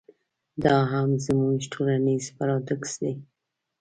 دا هم زموږ ټولنیز پراډوکس دی.